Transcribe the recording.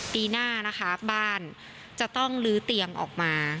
ปีหน้านะคะบ้านจะต้องลื้อเตียงออกมา